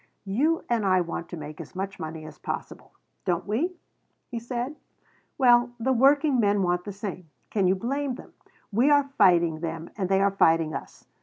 "You and I want to make as much money as possible, don't we?" he said. "Well, the working men want the same. Can you blame them? We are fighting them and they are fighting us.